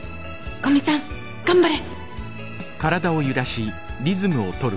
古見さん頑張れ！